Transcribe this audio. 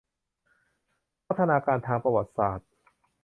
พัฒนาการทางประวัติศาสตร์